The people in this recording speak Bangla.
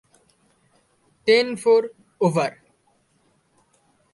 Ten-four, over.